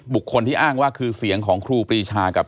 บุคคลที่อ้างว่าคือเสียงของครูปรีชากับ